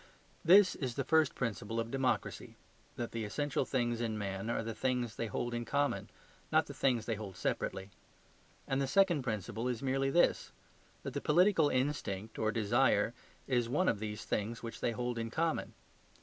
This is the first principle of democracy: that the essential things in men are the things they hold in common, not the things they hold separately. And the second principle is merely this: that the political instinct or desire is one of these things which they hold in common.